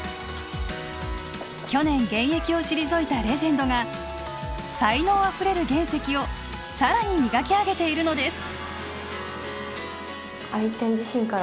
去年現役を退いたレジェンドが才能あふれる原石をさらに磨き上げているのです。